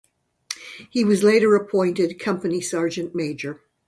He later was appointed company sergeant-major.